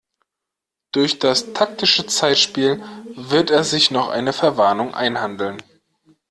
Durch das taktische Zeitspiel wird er sich noch eine Verwarnung einhandeln.